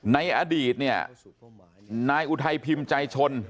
ในอดีตเนี่ยนายอุทัยพิมพ์ใจชน